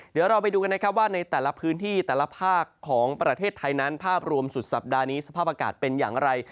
เดี๋ยวเราไปดูกันนะครับว่าในแต่ละพื้นที่แต่ละภาคของประเทศไทยนั้นภาพรวมสุดสัปดาห์นี้สภาพอากาศเป็นอย่างไร